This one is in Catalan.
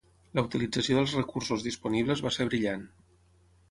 La utilització dels recursos disponibles va ser brillant.